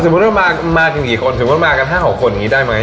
สมมติว่ามาการกันกี่คนสมมติว่ามากัน๕๖คนงี้ได้มั้ย